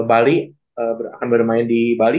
bali akan bermain di bali